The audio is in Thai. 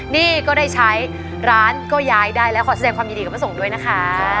นี่ก็ได้ใช้ร้านก็ย้ายได้แล้วขอแสดงความยินดีกับพระสงฆ์ด้วยนะคะ